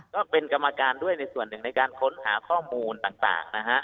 ก็เป็นกรรมการด้วยในส่วนหนึ่งในการค้นหาข้อมูลต่างนะฮะ